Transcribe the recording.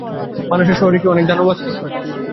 মানুষের শহরে কি অনেক দানব আছে?